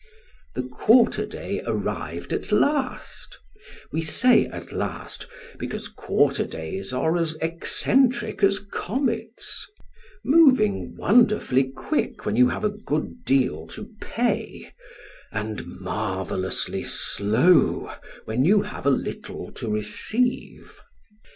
The quarter day arrived at last we say at last, because quarter days are as eccentric as comets : moving wonderfully quick when you have a good deal to pay, and marvellously slow when you have a little to receive.